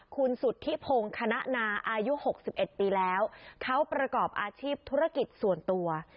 คุณสุดที่พงศ์คณะนาอายุหกสิบเอ็ดปีแล้วเขาประกอบอาชีพธุรกิจส่วนตัว